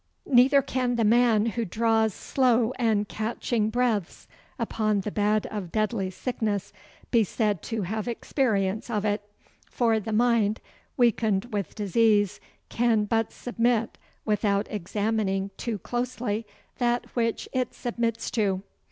Neither can the man who draws slow and catching breaths upon the bed of deadly sickness be said to have experience of it, for the mind weakened with disease can but submit without examining too closely that which it submits to.